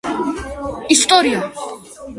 ისტორია